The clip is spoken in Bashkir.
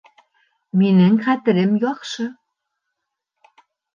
Минең хәтерем яҡшы